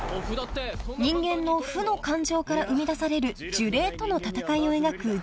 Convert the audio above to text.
［人間の負の感情から生みだされる呪霊との戦いを描く